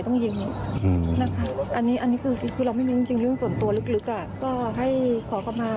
ประมาณนั้นค่ะพี่เขาบอก